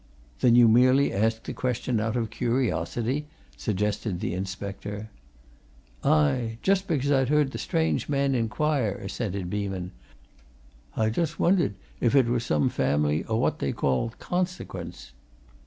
"Then you merely asked the question out of curiosity?" suggested the inspector. "Aye just 'cause I'd heard t' strange man inquire," assented Beeman. "I just wondered if it were some family o' what they call consequence."